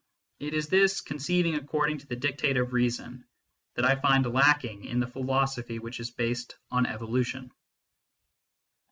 It is this " con ceiving according to the dictate of reason " that I find lacking in the philosophy which is based on evolution.